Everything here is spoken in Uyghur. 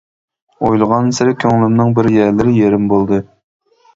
ئويلىغانسېرى كۆڭلۈمنىڭ بىر يەرلىرى يېرىم بولدى.